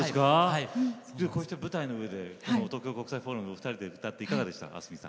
こうして舞台の上東京国際フォーラムで２人で歌っていかがでしたか？